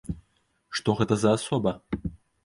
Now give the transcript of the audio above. Што гэта за асоба?